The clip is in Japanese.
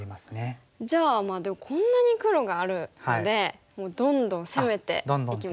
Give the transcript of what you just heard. じゃあでもこんなに黒があるのでもうどんどん攻めていきます。